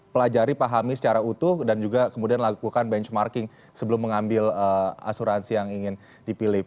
pelajari pahami secara utuh dan juga kemudian lakukan benchmarking sebelum mengambil asuransi yang ingin dipilih